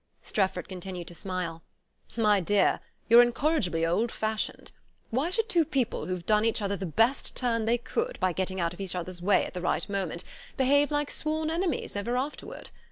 Strefford continued to smile. "My dear, you're incorrigibly old fashioned. Why should two people who've done each other the best turn they could by getting out of each other's way at the right moment behave like sworn enemies ever afterward?